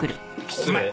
失礼。